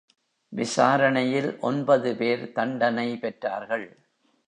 விசாரணையில் ஒன்பது பேர் தண்டனை பெற்றார்கள்.